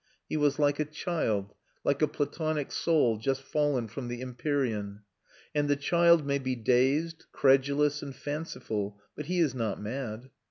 He was like a child, like a Platonic soul just fallen from the Empyrean; and the child may be dazed, credulous, and fanciful; but he is not mad.